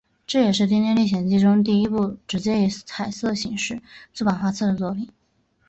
这也是丁丁历险记中第一部直接以彩色形式出版画册的作品。